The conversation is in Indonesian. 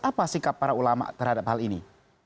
apa sikap para ulama terhadap hal ini